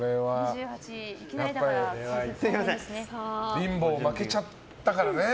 リンボー負けちゃったからね。